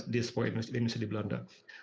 diaspora indonesia di belanda